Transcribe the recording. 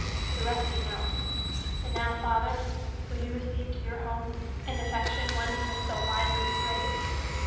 The rest you know; and now, father, will you receive to your home and affection one who has so widely strayed?"